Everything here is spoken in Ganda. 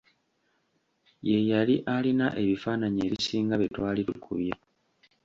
Ye yali alina ebifaananyi ebisinga bye twali tukubye.